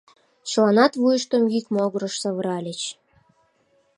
Чыланат вуйыштым йӱк могырыш савыральыч.